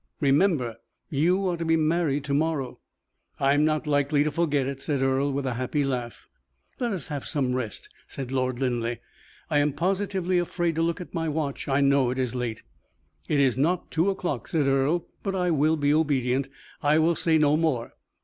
Remember you are to be married to morrow." "I am not likely to forget it," said Earle, with a happy laugh. "Let us have some rest," said Lord Linleigh. "I am positively afraid to look at my watch. I know it is late." "It is not two o'clock," said Earle; "but I will be obedient. I will say no more."